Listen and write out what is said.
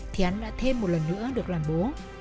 thì hắn đã thêm một lần nữa được làm bố